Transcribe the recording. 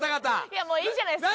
いやもういいじゃないですか。